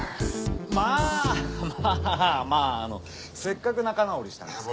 まあまあまあせっかく仲直りしたんですから。